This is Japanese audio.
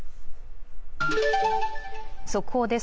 速報です。